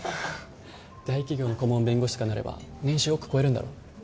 大企業の顧問弁護士とかになれば年収億超えるんだろ？